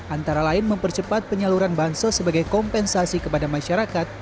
antara lain mempercepat penyaluran bansos sebagai kompensasi kepada masyarakat